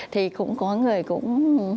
thì cũng có người cũng